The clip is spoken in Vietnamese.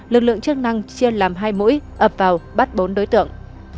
lực lượng chức năng chia làm hai mũi ập vào bắt bốn đối tượng